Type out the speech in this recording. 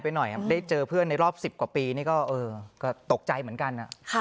หน่อยได้เจอเพื่อนในรอบ๑๐กว่าปีนี่ก็ตกใจเหมือนกัน